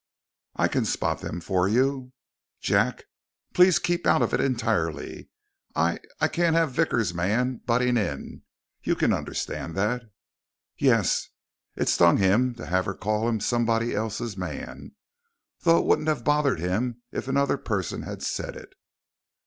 "I can spot them for you." "Jack, please. Keep out of it entirely. I ... I can't have Vickers' man butting in. You can understand that." "Yes." It stung him to have her call him somebody else's man, though it wouldn't have bothered him if another person had said it.